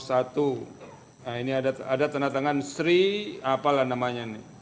nah ini ada tanda tangan sri apalah namanya nih